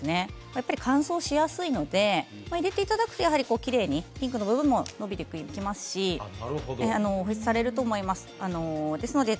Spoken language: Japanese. やっぱり乾燥しやすいので塗っていただくときれいにピンクの部分も伸びてきますし保湿されると思います。